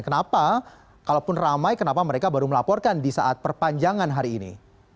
kenapa kalaupun ramai kenapa mereka baru melaporkan di saat perpanjangan hari ini